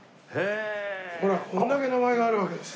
ほらこれだけ名前があるわけです。